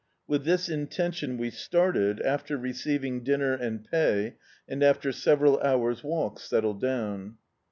With this intention we started, after receiving dinner and pay, and after several hours' walk settled down.